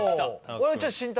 俺ちょっと。